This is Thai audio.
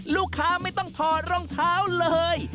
ลูกค้าไม่ต้องถอดรองเท้าเลย